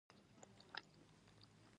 فاتحه اخیستل د غمشریکۍ دود دی.